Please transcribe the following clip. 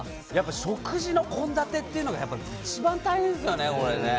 食事の献立が一番大変ですよね。